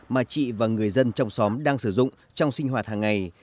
mà chị và người dân trong xóm đang sử dụng trong sinh hoạt hàng ngày